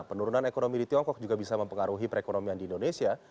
penurunan ekonomi di tiongkok juga bisa mempengaruhi perekonomian di indonesia